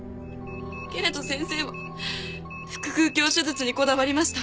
けれど先生は腹腔鏡手術にこだわりました。